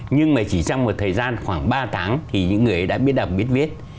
nhưng mà chỉ trong một thời gian khoảng ba tháng thì những người đã biết đọc biết viết